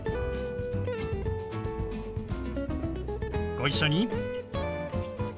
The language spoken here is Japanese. ご一緒に。